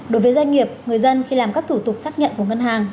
đối với doanh nghiệp người dân khi làm các thủ tục xác nhận của ngân hàng